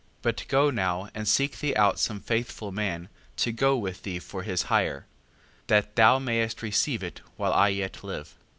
5:4. But go now, and seek thee out some faithful man, to go with thee for his hire: that thou mayst receive it, while I yet live.